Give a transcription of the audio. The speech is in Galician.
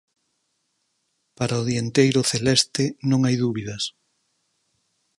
Para o dianteiro celeste non hai dúbidas.